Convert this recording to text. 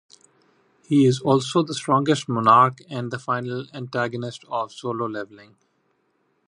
He is also the strongest Monarch and the final antagonist of Solo Leveling.